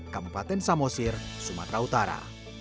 kempaten samosir sumatera utara